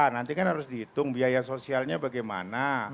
nanti kan harus dihitung biaya sosialnya bagaimana